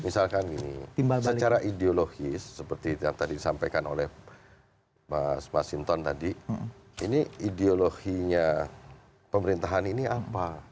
misalkan gini secara ideologis seperti yang tadi disampaikan oleh mas masinton tadi ini ideologinya pemerintahan ini apa